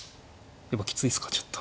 やっぱきついっすかちょっと。